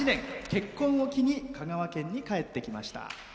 結婚を機に香川県に帰ってきました。